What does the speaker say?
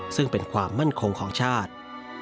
ซึ่งเป็นความมั่นคงของชาติ